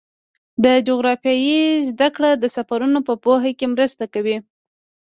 د جغرافیې زدهکړه د سفرونو په پوهه کې مرسته کوي.